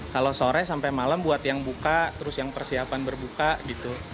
kalau sore sampai malam buat yang buka terus yang persiapan berbuka gitu